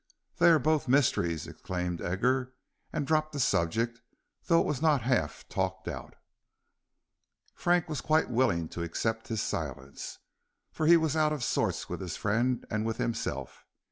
"They are both mysteries," exclaimed Edgar, and dropped the subject, though it was not half talked out. Frank was quite willing to accept his silence, for he was out of sorts with his friend and with himself.